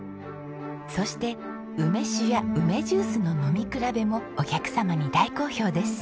そして梅酒や梅ジュースの飲み比べもお客様に大好評です。